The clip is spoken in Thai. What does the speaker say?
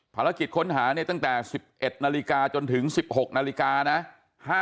ภารกิจค้นหาเนี่ยตั้งแต่๑๑นาฬิกาจนถึง๑๖นาฬิกานะ